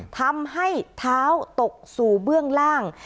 ทำให้เท้าตกสู่เบื้องล่าง